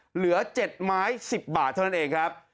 เหลือ๗ไม้๑๐บาทเท่านั้นเองครับ